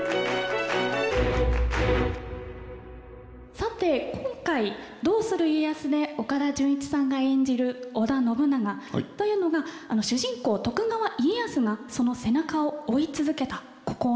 さて今回「どうする家康」で岡田准一さんが演じる織田信長というのが主人公徳川家康がその背中を追い続けた孤高のカリスマです。